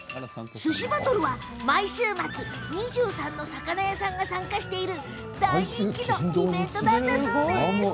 すしバトルは毎週末２３の魚屋さんが参加している大人気のイベントなんだそう。